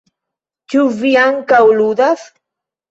Ĉu vi ankaŭ ludas?